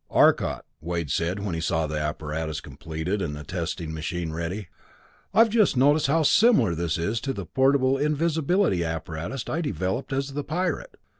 "Arcot," Wade said when he saw the apparatus completed and the testing machine ready, "I've just noticed how similar this is to the portable invisibility apparatus I developed as the Pirate.